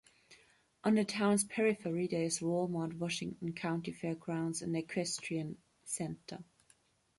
On the town's periphery there is Walmart, Washington County Fair Grounds and Equestrian Center.